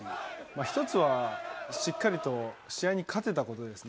一つはしっかりと試合に勝てたことですね。